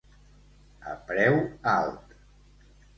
A preu alt.